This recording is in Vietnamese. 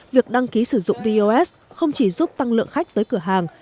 việc đăng ký sử dụng vos không chỉ giúp tăng lượng khách tới cửa hàng